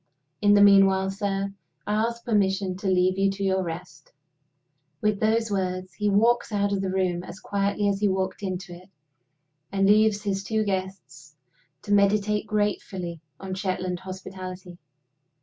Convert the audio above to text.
In the meanwhile, sir, I ask permission to leave you to your rest." With those words, he walks out of the room as quietly as he walked into it, and leaves his two guests to meditate gratefully on Shetland hospitality.